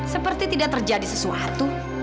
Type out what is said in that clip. seperti tidak terjadi sesuatu